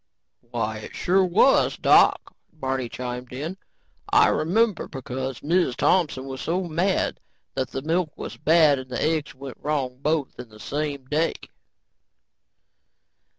"Why it sure was, Doc," Barney chimed in. "I remember, cause Miz Thompson was so mad that the milk was bad and the eggs went wrong both in the same day."